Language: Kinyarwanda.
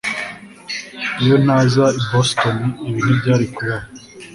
iyo ntaza i boston, ibi ntibyari kubaho